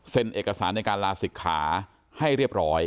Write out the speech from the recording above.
เอกสารในการลาศิกขาให้เรียบร้อย